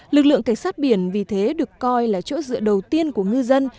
lực lượng cảnh sát biển vì thế được coi là chỗ dựa đầu tiên của ngư dân